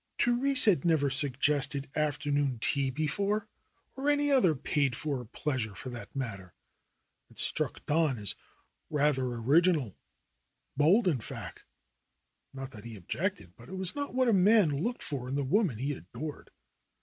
Therese had never suggested afternoon tea before or any other paid for pleasure for that matter. It struck Don as THE ROSE COLORED WORLD 9 rather original, bold in fact. Not that he objected, but it was not what a man looked for in the woman he adored.